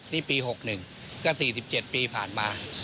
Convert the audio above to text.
นี่ปี๖๑ก็๔๗ปีผ่านมา